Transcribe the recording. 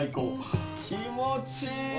気持ちいい！